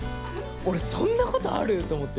俺そんなことある！？と思って。